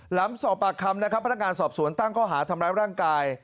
หลังสอบปากคำนะครับพนักงานสอบสวนตั้งข้อหาทำร้ายร่างกาย